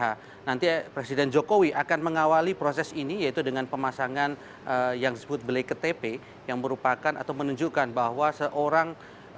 nah nanti presiden jokowi akan mengawali proses ini yaitu dengan pemasangan yang disebut black ke tp yang merupakan atau menunjukkan bahwa seorang